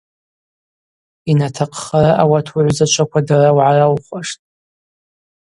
Йнатахъхара ауат уыгӏвзачва дара угӏараухуаштӏ.